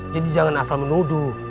jadi jangan asal menuduh